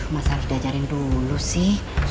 mas harus diajarin dulu sih